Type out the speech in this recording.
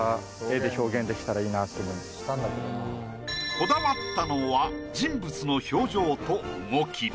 こだわったのは人物の表情と動き。